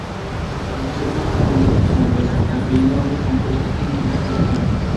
Partició tanto en disco como en peso, concluyendo ambos concursos en quinta posición.